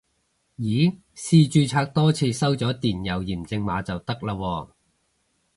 咦試註冊多次收咗電郵驗證碼就得喇喎